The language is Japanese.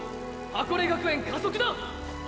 箱根学園加速だ！！